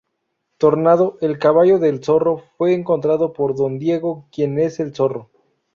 Tornado, el caballo del Zorro, fue encontrado por don Diego, quien es el Zorro.